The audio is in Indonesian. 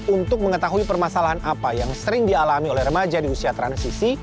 untuk mengetahui permasalahan apa yang sering dialami oleh remaja di usia transisi